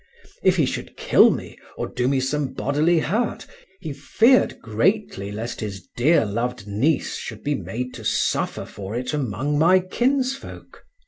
If he should kill me or do me some bodily hurt, he feared greatly lest his dear loved niece should be made to suffer for it among my kinsfolk.